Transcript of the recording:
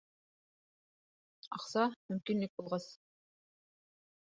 Аҡса, мөмкинлек булғас.